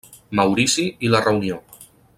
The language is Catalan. Maurici i la Reunió.